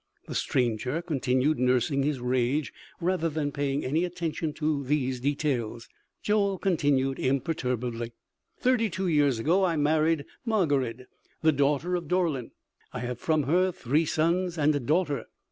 The stranger continued nursing his rage rather than paying any attention to these details. Joel continued imperturbably: "Thirty two years ago, I married Margarid, the daughter of Dorlern. I have from her three sons and a daughter.